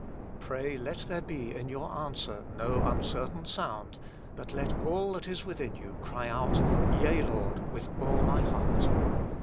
Pray let there be in your answer no uncertain sound, but let all that is within you cry out :" Yea, Lord, with all my heart."